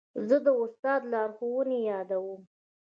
زه د استاد لارښوونې یادوم.